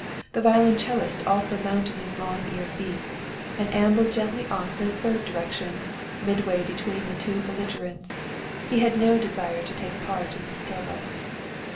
The violoncellist also mounted his long eared beast, and ambled gently off in a third direction midway between the two belligerents. He had no desire to take any part in the struggle.